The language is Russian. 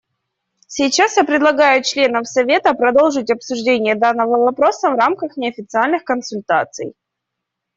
Сейчас я приглашаю членов Совета продолжить обсуждение данного вопроса в рамках неофициальных консультаций.